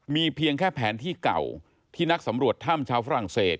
มีเพียงแค่แผนที่เก่าที่นักสำรวจถ้ำชาวฝรั่งเศส